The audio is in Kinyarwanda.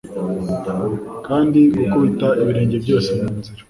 Kandi gukubita ibirenge byose munzira